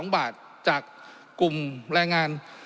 ๒บาทจากกลุ่มแรงงาน